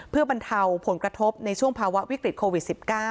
เพื่อบรรเทาผลกระทบในช่วงภาวะวิกฤตโควิด๑๙